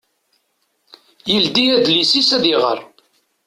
Yeldi adlis-is ad iɣer.